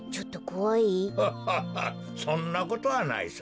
アハハそんなことはないさ。